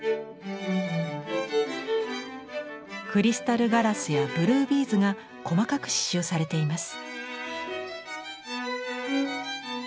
クリスタルガラスやブルービーズが細かく刺しゅうされています。